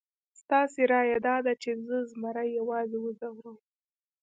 ستاسې رایه داده چې زه زمري یوازې وځوروم؟